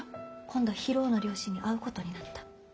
今度博夫の両親に会うことになった。